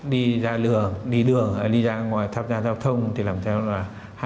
đi ra đường đi ra ngoài tham gia giao thông thì làm sao là